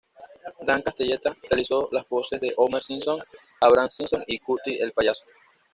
Dan Castellaneta realizó las voces de Homer Simpson, Abraham Simpson, y Krusty el payaso.